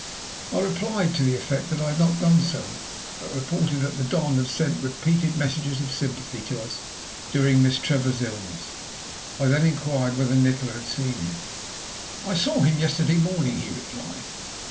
I replied to the effect that I had not done so, but reported that the Don had sent repeated messages of sympathy to us during Miss Trevor's illness. I then inquired whether Nikola had seen him? "I saw him yesterday morning," he replied.